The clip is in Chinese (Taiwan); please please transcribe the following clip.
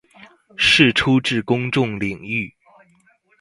釋出至公眾領域